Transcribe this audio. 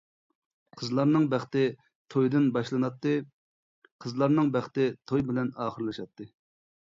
قىزلارنىڭ بەختى تويدىن باشلىناتتى، قىزلارنىڭ بەختى توي بىلەن ئاخىرلىشاتتى.